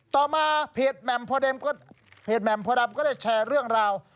ต่อมาเพจแมมพอดับก็ได้แชร์เรื่องราว